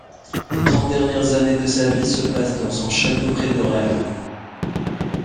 Les trente dernières années de sa vie se passent dans son château près d'Orel.